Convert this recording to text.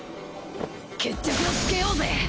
決着をつけようぜ。